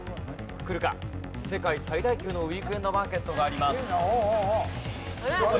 世界最大級のウィークエンドマーケットがあります。